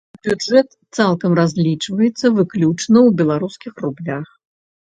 Бюджэт цалкам разлічваецца выключна ў беларускіх рублях.